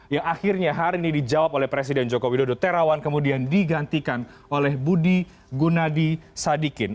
yang akhirnya hari ini dijawab oleh presiden joko widodo terawan kemudian digantikan oleh budi gunadi sadikin